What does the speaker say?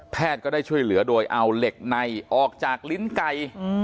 ก็ได้ช่วยเหลือโดยเอาเหล็กในออกจากลิ้นไก่